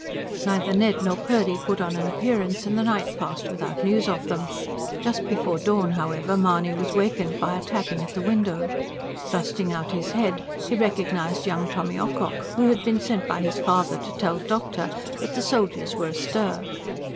Neither Ned nor Purdy put in an appearance, and the night passed without news of them. Just before dawn, however, Mahony was wakened by a tapping at the window. Thrusting out his head he recognised young Tommy Ocock, who had been sent by his father to tell "doctor" that the soldiers were astir.